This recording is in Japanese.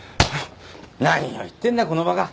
何を言ってんだこのバカ。